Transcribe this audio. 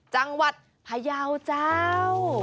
จังหวัดพยาวเจ้า